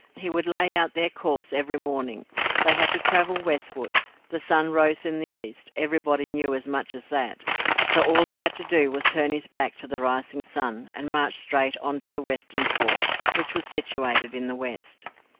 He would lay out their course every morning; they had to travel westward; the sun rose in the east, everybody knew as much as that; so all he had to do was to turn his back to the rising sun, and march straight on to Western Port which was situated in the west.